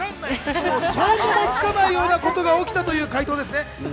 想像もつかないことが起きたという解答ですね。